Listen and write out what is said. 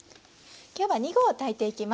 今日は２合炊いていきます。